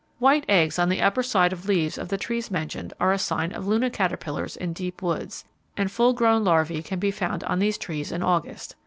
White eggs on the upper side of leaves of the trees mentioned are a sign of Luna caterpillars in deep woods, and full grown larvae can be found on these trees in August.